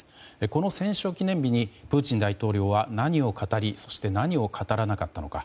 この戦勝記念日にプーチン大統領は何を語りそして、何を語らなかったのか。